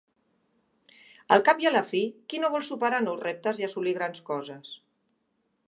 Al cap i a la fi, qui no vol superar nous reptes i assolir grans coses.